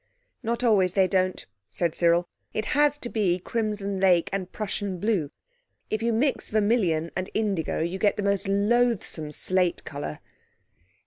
"Not always they don't," said Cyril, "it has to be crimson lake and Prussian blue. If you mix Vermilion and Indigo you get the most loathsome slate colour."